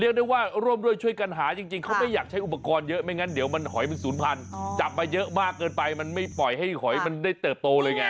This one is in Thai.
ได้ว่าร่วมด้วยช่วยกันหาจริงเขาไม่อยากใช้อุปกรณ์เยอะไม่งั้นเดี๋ยวมันหอยมันศูนย์พันธุ์จับมาเยอะมากเกินไปมันไม่ปล่อยให้หอยมันได้เติบโตเลยไง